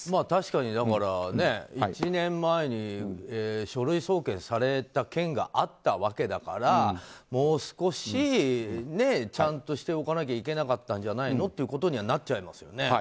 確かに、１年前に書類送検された件があったわけだからもう少しちゃんとしておかなきゃいけなかったんじゃないのとなっちゃいますよね。